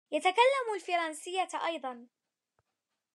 يتكلم الفرنسية أيضاً.